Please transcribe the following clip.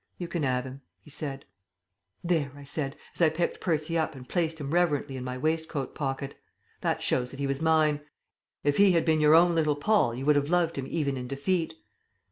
"You can 'ave him," he said. "There!" I said, as I picked Percy up and placed him reverently in my waistcoat pocket. "That shows that he was mine. If he had been your own little Paul you would have loved him even in defeat.